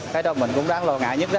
cái đó mình cũng đáng lo ngại nhất đó